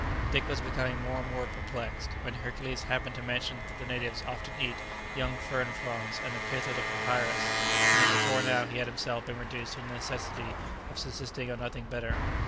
Dick was becoming more and more perplexed, when Hercules happened to mention that the natives often eat young fern fronds and the pith of the papyrus, and that before now he had himself been reduced to the necessity of subsisting on nothing better.